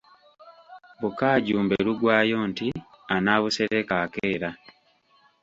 Bukaajumbe luggwaayo nti anaabusereka akeera.